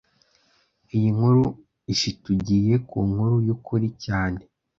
Iyi nkuru ishitugiye ku nkuru yukuri cyane